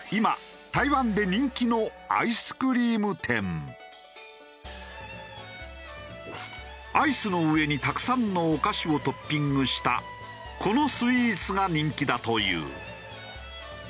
実はここ今アイスの上にたくさんのお菓子をトッピングしたこのスイーツが人気だという。